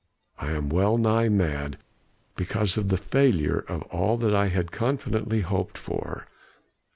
I am well nigh mad because of the failure of all that I had confidently hoped for.